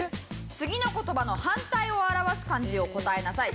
次の言葉の反対を表す漢字を答えなさい。